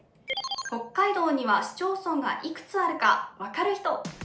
北海道には市町村がいくつあるか分かる人。